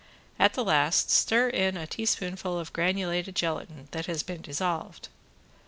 At the last stir in a teaspoonful of granulated gelatin that has been dissolved.